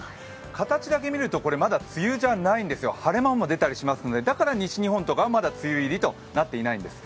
形だけ見るとまだ梅雨じゃないんですよ、晴れ間も出たりしますのでだから西日本とかは、まだ梅雨入りとはなっていないんです。